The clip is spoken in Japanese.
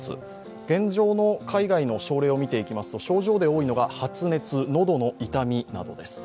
現状の海外の症例を見ていきますと症状で多いのが発熱、のどの痛みなどです。